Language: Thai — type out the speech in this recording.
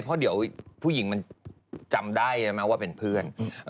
เพราะเดี๋ยวผู้หญิงมันจำได้ใช่ไหมว่าเป็นเพื่อน